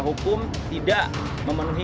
hukum tidak memenuhi